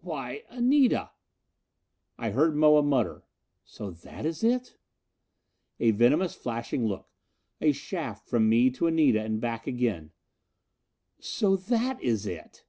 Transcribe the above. "Why, Anita!" I heard Moa mutter: "So that is it?" A venomous flashing look a shaft from me to Anita and back again. "So that is it?"